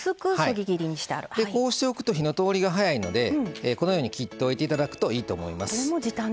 こうしておくと火の通りが早いのでこのように切っておいていただくといいと思います。